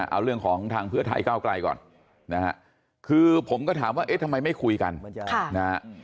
เอาเรื่องของทางเพื่อไทยก้าวไกลก่อนนะฮะคือผมก็ถามว่าเอ๊ะทำไมไม่คุยกันนะฮะ